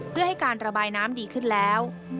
เพื่อให้การระบายน้ำดีขึ้นแล้ว